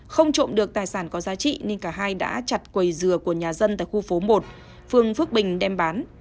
không trộm được tài sản có giá trị nên cả hai đã chặt quầy dừa của nhà dân tại khu phố một phương phước bình đem bán